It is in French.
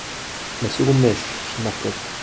La seconde mèche ! fit Marcof.